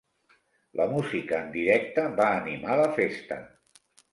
La música en directe va animar la festa.